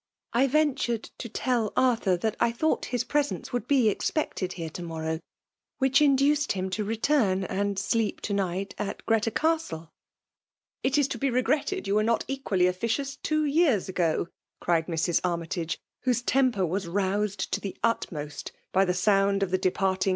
"I" ventured to tiell Arthur that I thought his presence'would be expected here to morrow ; which induced him to return and sleep to night at Greta Castle." •*•'••* It is to be regretted yoii were not equally officious two years ago," cried Mrs. Armytage, whose temper was roused to the utmost by the sound of the departing.